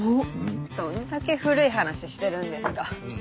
どんだけ古い話してるんですか。